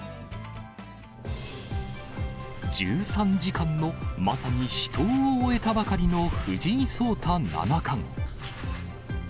１３時間のまさに死闘を終えたばかりの藤井聡太七冠。